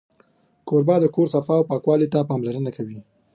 کوربه د کور صفا او پاکوالي ته پاملرنه کوي.